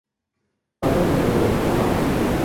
สัตว์ไม่มีกระดูกสันหลัง